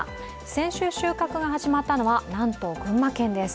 先週、収穫が始まったのはなんと群馬県です。